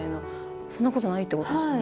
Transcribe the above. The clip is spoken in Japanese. そんなことないってことですよね。